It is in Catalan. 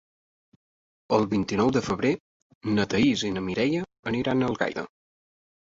El vint-i-nou de febrer na Thaís i na Mireia aniran a Algaida.